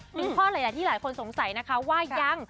มีข้อหลายที่หลายคนสงสัยนะคะว่ายัง